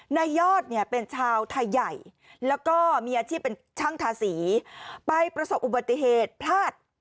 นายยอดเนี่ยเป็นชาวไทยใหญ่แล้วก็มีอาชีพเป็นช่างทาสีไปประสบอุบัติเหตุพลาด